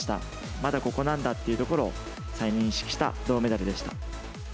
まだここなんだっていうところを再認識した銅メダルでした。